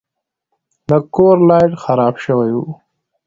د کور لایټ خراب شوی و.